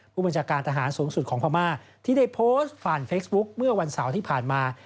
ผู้บัญชาการทหารสูงสุดของพม่าที่ได้โพสต์ผ่านเฟซบุ๊คเมื่อวันเสาร์ที่ผ่านมา